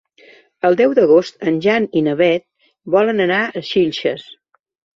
El deu d'agost en Jan i na Beth volen anar a Xilxes.